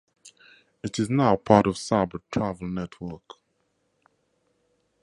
It is now a part of Sabre Travel Network.